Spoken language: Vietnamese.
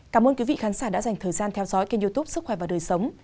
cảm ơn quý vị khán giả đã dành thời gian theo dõi kênh youtube sức khỏe và đời sống